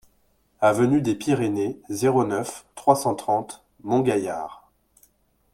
Avenue des Pyrénées, zéro neuf, trois cent trente Montgaillard